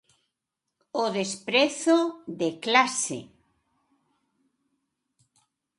O desprezo de clase.